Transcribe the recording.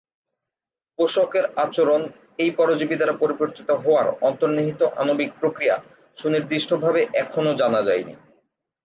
পোষকের আচরণ এই পরজীবী দ্বারা পরিবর্তিত হওয়ার অন্তর্নিহিত আণবিক প্রক্রিয়া সুনির্দিষ্টভাবে এখনো জানা যায়নি।